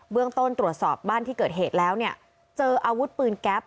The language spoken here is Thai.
เรื่องต้นตรวจสอบบ้านที่เกิดเหตุแล้วเนี่ยเจออาวุธปืนแก๊ป